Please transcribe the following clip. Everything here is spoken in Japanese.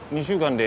２週間！？